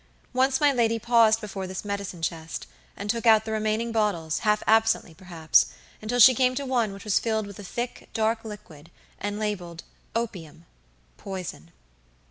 Once my lady paused before this medicine chest, and took out the remaining bottles, half absently, perhaps, until she came to one which was filled with a thick, dark liquid, and labeled "opiumpoison."